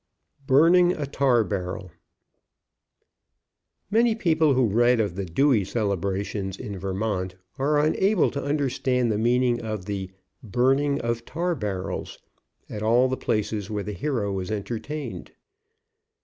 BURNING A TAR BARREL. Many people who read of the Dewey celebrations in Vermont are unable to understand the meaning of the "burning of tar barrels," at all the places where the hero was entertained.